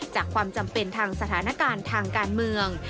ความจำเป็นทางสถานการณ์ทางการเมือง